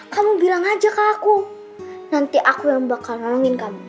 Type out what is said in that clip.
kamu bilang aja ke aku nanti aku yang bakal ngalangin kamu